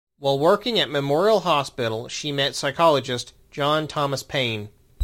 While working at Memorial Hospital, she met psychologist, John Thomas Payne.